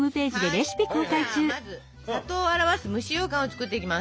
じゃあまず「里」を表す蒸しようかんを作っていきます！